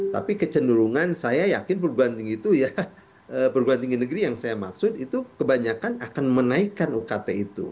tapi kecenderungan saya yakin perguruan tinggi itu ya perguruan tinggi negeri yang saya maksud itu kebanyakan akan menaikkan ukt itu